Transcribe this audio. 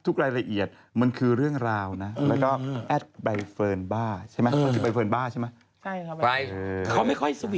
กระเทยเก่งกว่าเออแสดงความเป็นเจ้าข้าว